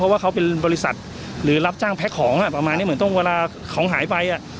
ว่าเขาเป็นบริษัทหรือรับจ้างแพ็คของประมาณนี้เหมือนต้องเวลาของหายไป